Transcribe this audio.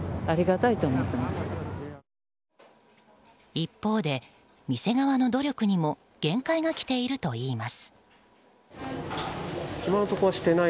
一方で、店側の努力にも限界がきているといいます。